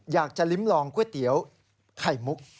อยากจะลิ้มลองก๋วยเตี๋ยวไข่มุก